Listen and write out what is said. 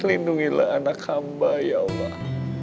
lindungilah anak hamba ya allah